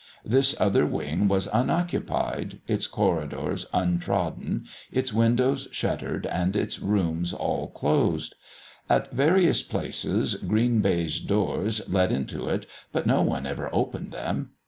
This other wing was unoccupied, its corridors untrodden, its windows shuttered and its rooms all closed. At various places green baize doors led into it, but no one ever opened them.